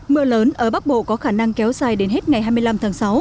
mưa lớn ở bắc bộ có khả năng kéo dài đến hết ngày hai mươi năm tháng sáu